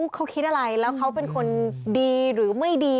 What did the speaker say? เขาคิดอะไรแล้วเขาเป็นคนดีหรือไม่ดี